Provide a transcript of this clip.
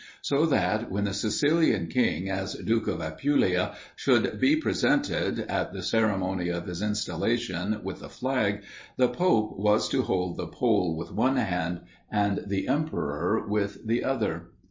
So that, when the Sicilian King, as Duke of Apulia, should be presented, at the ceremony of his installation, with a flag, the Pope was to hold the pole with one hand, and the Emperor with the other.